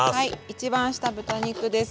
一番下豚肉です。